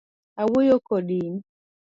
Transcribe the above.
Awuoyo kodi in.